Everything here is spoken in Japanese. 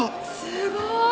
すごい！